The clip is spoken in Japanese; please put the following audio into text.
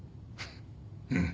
うん。